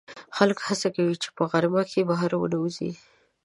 خلک هڅه کوي چې په غرمه کې بهر ونه وځي